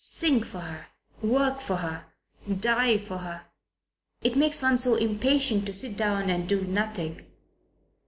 Sing for her. Work for her. Die for her. It makes one so impatient to sit down and do nothing.